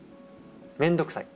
面倒くさい。